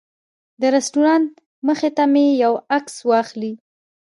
د رسټورانټ مخې ته مې یو عکس واخلي.